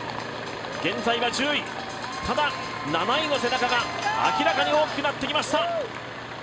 現在は１０位、７位の背中が明らかに大きくなってきました。